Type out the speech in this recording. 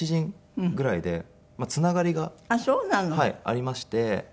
ありまして。